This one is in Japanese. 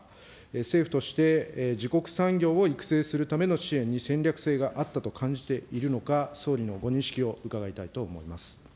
政府として自国産業を育成するための支援に戦略性があったと感じているのか、総理のご認識を伺いたいと思います。